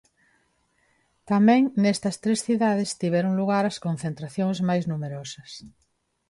Tamén nestas tres cidades tiveron lugar as concentracións máis numerosas.